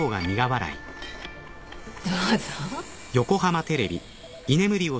どうぞ。